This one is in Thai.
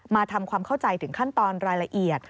มาทำความเข้าใจถึงขั้นตอนรายละเอียด